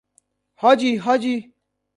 حاجی حاجی